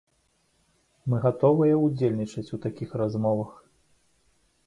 Мы гатовыя ўдзельнічаць у такіх размовах.